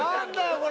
これ。